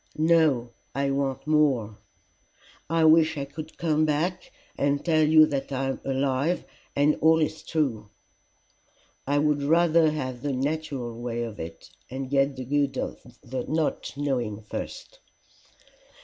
"No. I want more." "I wish I could come back and tell you that I am alive and all is true." "I would rather have the natural way of it, and get the good of not knowing first."